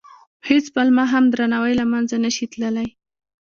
په هېڅ پلمه هم درناوی له منځه نه شي تللی.